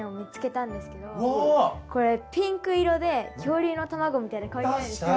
これピンク色で恐竜の卵みたいでかわいくないですか？